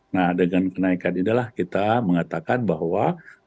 nah dengan kenaikan inilah kita mengatakan bahwa